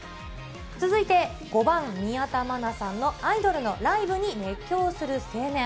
続いて５番、宮田マナさんのアイドルのライブに熱狂する青年。